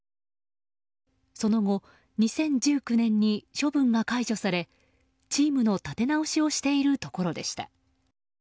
その後２０１９年に処分が解除されチームの立て直しをしているところでした。